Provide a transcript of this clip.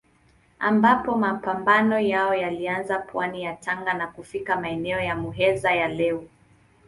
Ambapo mapambano yao yalianza pwani ya Tanga na kufika maeneo ya Muheza ya leo.